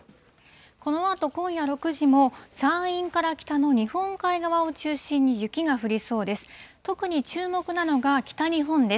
このあと今夜６時も、山陰から北の日本海側を中心に雪が降りそうです。